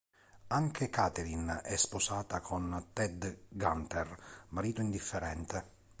Anche Catherine è sposata con Ted Gunther, marito indifferente.